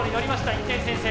１点先制。